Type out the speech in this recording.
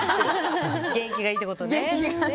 元気がいいってことね。